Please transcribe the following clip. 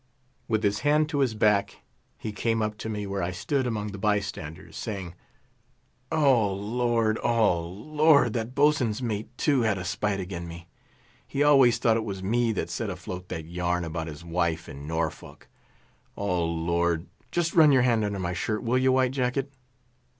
With his hand to his back he came up to me, where I stood among the by standers, saying, "O Lord, O Lord! that boatswain's mate, too, had a spite agin me; he always thought it was me that set afloat that yarn about his wife in Norfolk. O Lord! just run your hand under my shirt will you, White Jacket?